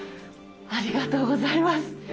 ありがとうございます。